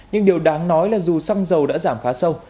nhưng điều đáng nói là dù xăng dầu đã giảm khá sâu